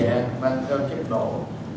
để đảm bảo an ninh an toàn hàng không